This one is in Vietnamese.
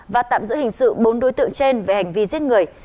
và tạm giữ hình sự bốn đối tượng trên về hành vi giết người